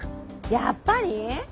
やっぱり？